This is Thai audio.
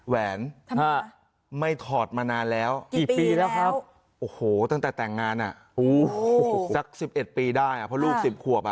แหวนไม่ถอดมานานแล้วตั้งแต่แต่งงานอ่ะสัก๑๑ปีได้เพราะลูก๑๐ขวบอ่ะ